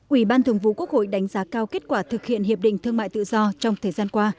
ủy ban thường vụ quốc hội đánh giá cao kết quả thực hiện hiệp định thương mại tự do trong thời gian qua